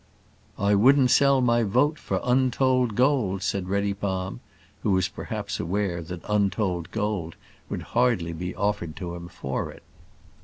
"I wouldn't sell my vote for untold gold," said Reddypalm, who was perhaps aware that untold gold would hardly be offered to him for it.